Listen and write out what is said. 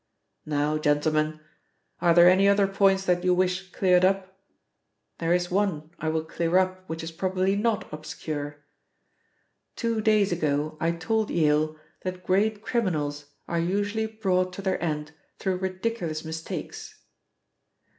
"Now, gentlemen, are there any other points that you wish cleared up? There is one I will clear up which is probably not obscure. Two days ago I told Yale that great criminals are usually brought to their end through ridiculous mistakes.